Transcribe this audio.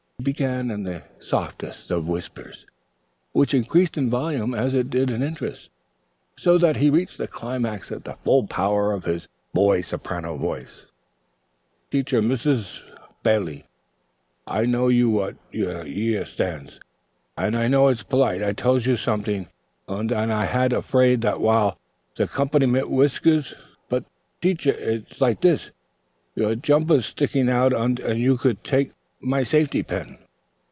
He began in the softest of whispers, which increased in volume as it did in interest, so that he reached the climax at the full power of his boy soprano voice. "Teacher, Missis Bailey, I know you know what year stands. On'y it's polite I tells you something, und I had a fraid the while the 'comp'ny mit the whiskers' sets und rubbers. But, Teacher, it's like this: your jumper's sticking out und you could to take mine safety pin."